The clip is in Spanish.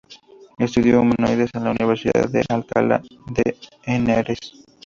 Estudió Humanidades en la Universidad de Alcalá de Henares.